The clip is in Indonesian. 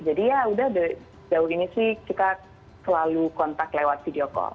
jadi ya udah jauh ini sih kita selalu kontak lewat video call